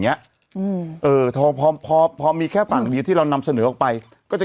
เนี้ยอืมเออพอพอพอมีแค่ฝั่งเดียวที่เรานำเสนอออกไปก็จะ